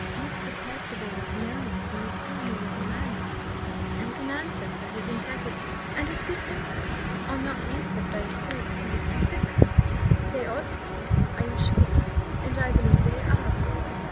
Mr. Percival has known him from the time he was a man, and can answer for his integrity and his good temper. Are not these the first points you would consider? They ought to be, I am sure, and I believe they are.